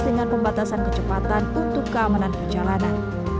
dengan pembatasan kecepatan untuk keamanan perjalanan